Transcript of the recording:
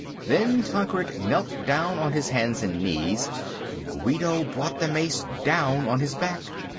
Then Tancred knelt down on his hands and knees and Guido brought the mace down on his back.